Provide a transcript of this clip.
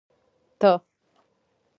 ته